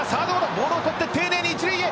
ボールを捕って丁寧に一塁へ。